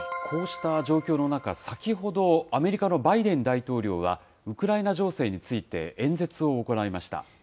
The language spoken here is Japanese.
こうした状況の中、先ほどアメリカのバイデン大統領は、ウクライナ情勢について演説を行いました。